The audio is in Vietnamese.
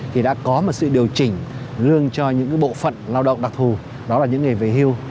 thì đã có một sự điều chỉnh lương cho những bộ phận lao động đặc thù đó là những người về hưu